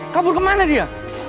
kabur kemana dia